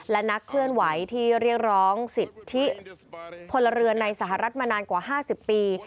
และนักเคลื่อนไหวที่เรียกร้องสิทธิพลเรือนในสหรัฐมานานกว่า๕๐ปี